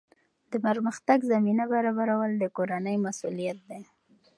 د پرمختګ زمینه برابرول د کورنۍ مسؤلیت دی.